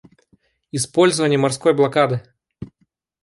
Использование морской блокады.